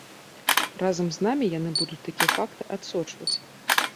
Разам з намі яны будуць такія факты адсочваць.